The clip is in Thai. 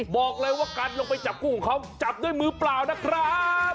บอกเลยว่าการลงไปจับคู่ของเขาจับด้วยมือเปล่านะครับ